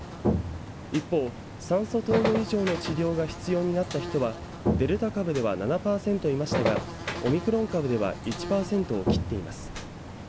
一方、酸素投与以上の治療が必要になった人はデルタ株では７パーセントいましたがオミクロン株では１パーセントを切っています。